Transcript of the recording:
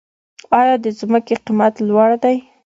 آیا د ځمکې قیمت لوړ دی؟